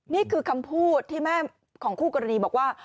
นี่คือคำพูดที่แม่ของคู่กรณีบอกว่า